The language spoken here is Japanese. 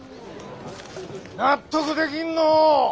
納得できんのう。